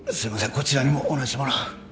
こちらにも同じもの